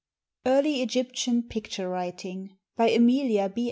EARLY EGYPTIAN PICTURE WRITING BY AMELIA B.